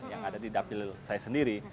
yang ada di dapil saya sendiri